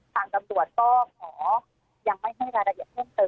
ทางตำรวจก็ขอยังไม่ให้รายละเอียดเพิ่มเติม